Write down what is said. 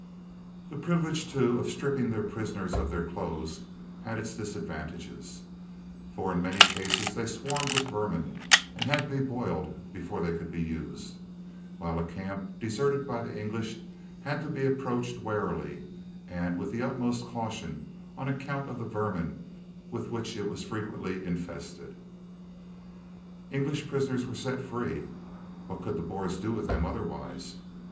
The privilege too of stripping their prisoners of their clothes had its disadvantages, for in many cases they swarmed with vermin and had to be boiled before they could be used, while a camp deserted by the English had to be approached warily and with the utmost caution on account of the vermin with which it frequently was infested. English prisoners were set free (what could the Boers do with them otherwise?)